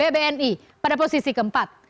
bni pada posisi keempat